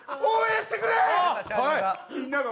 応援してくれてる。